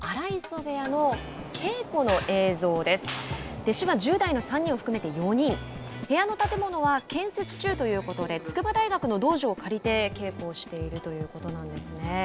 部屋の建物は建設中ということで筑波大学の道場を借りて稽古をしているということなんですね。